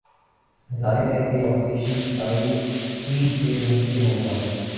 ظاہر ہے کہ یہ اپوزیشن کی تائید ہی سے ممکن ہو گا۔